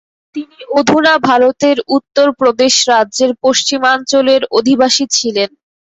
তিনি অধুনা ভারতের উত্তরপ্রদেশ রাজ্যের পশ্চিমাঞ্চলের অধিবাসী ছিলেন।